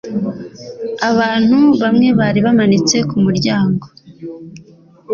Abantu bamwe bari bamanitse kumuryango.